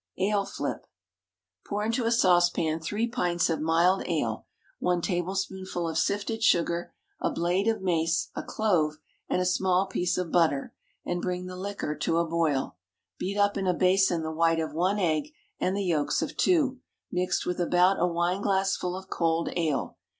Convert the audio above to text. Ale flip. Pour into a saucepan three pints of mild ale, one tablespoonful of sifted sugar, a blade of mace, a clove, and a small piece of butter; and bring the liquor to a boil. Beat up in a basin the white of one egg and the yolks of two, mixed with about a wine glassful of cold ale.